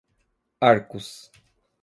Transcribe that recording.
Arcos